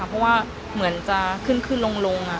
เพราะว่าเหมือนจะขึ้นขึ้นลง